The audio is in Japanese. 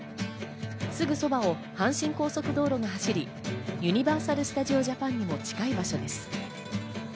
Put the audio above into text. すぐそばを阪神高速道路が走り、ユニバーサル・スタジオ・ジャパンにも近い場所です。